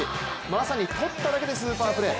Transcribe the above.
まさにとっただけでスーパープレー。